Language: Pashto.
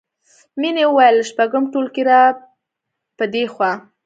مینې وویل له شپږم ټولګي راپدېخوا